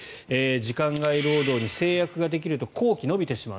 時間外労働に制約ができると工期が延びてしまう。